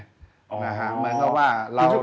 เหมือนกับว่าเราก็ทำอย่างนี้